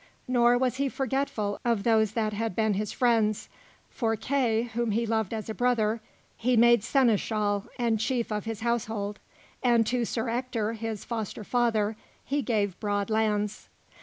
Nor was he forgetful of those that had been his friends; for Kay, whom he loved as a brother, he made Seneschal and chief of his household, and to Sir Ector, his foster father, he gave broad lands.